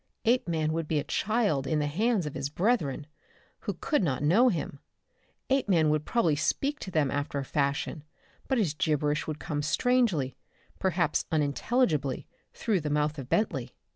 Apeman would be a child in the hands of his brethren, who could not know him. Apeman could probably speak to them after a fashion, but his gibberish would come strangely perhaps unintelligibly, through the mouth of Bentley.